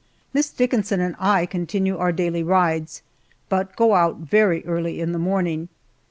Miss Dickinson and I continue our daily rides, but go out very early in the morning.